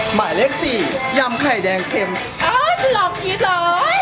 หมายเลข๔ยำไข่แดงเค็มเอ่อลำอยู่แน่ล่ะ